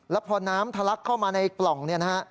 แล้วพอน้ำทะลักเข้ามาในกล่องเนี่ยนะฮะ